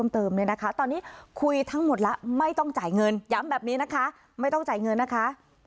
เนี่ยนะคะตอนนี้คุยทั้งหมดแล้วไม่ต้องจ่ายเงินย้ำแบบนี้นะคะไม่ต้องจ่ายเงินนะคะ